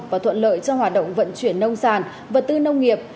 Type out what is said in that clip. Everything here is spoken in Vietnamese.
và thuận lợi cho hoạt động vận chuyển nông sản vật tư nông nghiệp